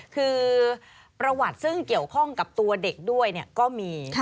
คือประวัติซึ่งเกี่ยวข้องกับตัวเด็กด้วยก็มี